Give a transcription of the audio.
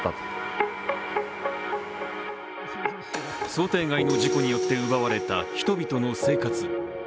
想定外の事故によって奪われた人々の生活。